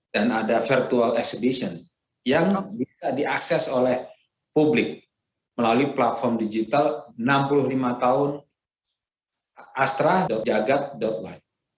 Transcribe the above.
dan ada virtual exhibition yang bisa diakses oleh publik melalui platform digital enam puluh lima tahun astra jagat by